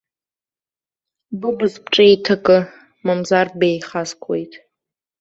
Быбз бҿы иҭакы, мамзар беихаскуеит!